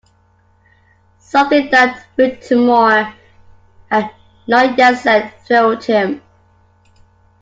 Something that Whittemore had not yet said thrilled him.